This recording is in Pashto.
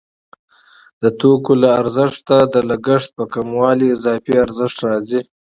د توکو له ارزښت د لګښت په کمولو اضافي ارزښت راځي